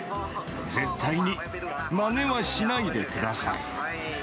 絶対にまねはしないでください。